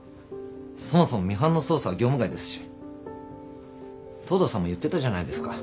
そもそもミハンの捜査は業務外ですし東堂さんも言ってたじゃないですか。